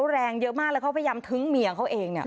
แล้วเขาพยามทึ้งเมียเขาเองเนี่ย